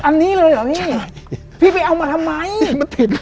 อันนี้เลยหรอพี่พี่เอามาทำไมใช่